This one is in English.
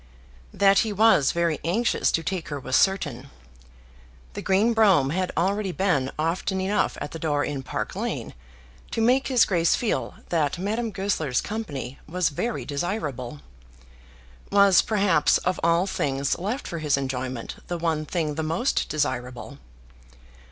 That he was very anxious to take her was certain. The green brougham had already been often enough at the door in Park Lane to make his Grace feel that Madame Goesler's company was very desirable, was, perhaps, of all things left for his enjoyment, the one thing the most desirable.